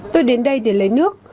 tôi đến đây để lấy nước